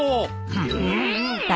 うん。